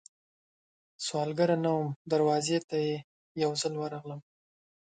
سوالګره نه وم، دروازې ته یې یوځل ورغلم